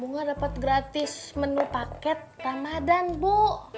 bunga dapat gratis menu paket ramadan bu